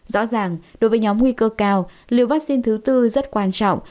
rõ ràng đối với nhóm nguy cơ cao liều vaccine thứ tư rất quan trọng